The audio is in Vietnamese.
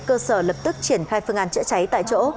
cơ sở lập tức triển khai phương án chữa cháy tại chỗ